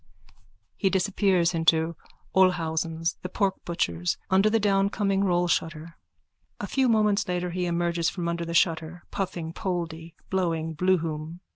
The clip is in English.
_(He disappears into Olhausen's, the porkbutcher's, under the downcoming rollshutter. A few moments later he emerges from under the shutter, puffing Poldy, blowing Bloohoom.